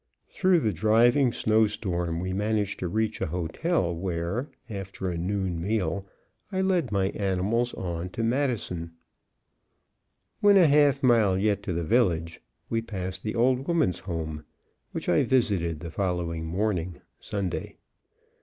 Through the driving snow storm we managed to reach a hotel where, after a noon meal, I led my animals on to Madison. When a half mile yet to the village we passed the Old Woman's Home, which I visited the following morning, Sunday.